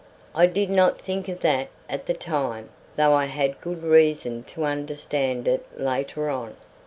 I did not think of that at the time, though I had good reason to understand it later on.